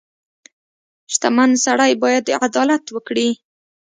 • شتمن سړی باید عدالت وکړي.